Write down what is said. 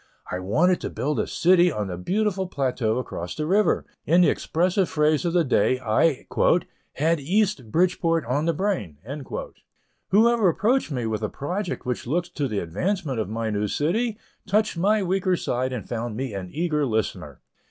I wanted to build a city on the beautiful plateau across the river; in the expressive phrase of the day, I "had East Bridgeport on the brain." Whoever approached me with a project which looked to the advancement of my new city, touched my weak side and found me an eager listener.